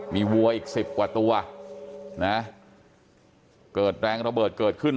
มีวัวอีกสิบกว่าตัวนะเกิดแรงระเบิดเกิดขึ้น